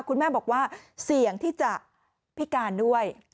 คุณแม่บอกว่าเสี่ยงที่จะพิการด้วย